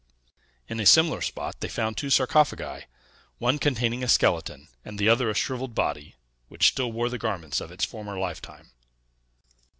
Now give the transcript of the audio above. In a similar spot they found two sarcophagi, one containing a skeleton, and the other a shrivelled body, which still wore the garments of its former lifetime.